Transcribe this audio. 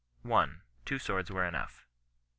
1. Two swords were enough. 2.